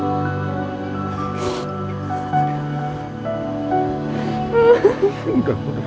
dia masih benar benar enak